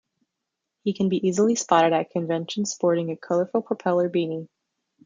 He can be easily spotted at conventions sporting a colorful propeller beanie.